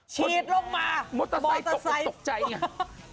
ฉีดลงมาบอเตอร์ไซค์กลตกใจเนี่ย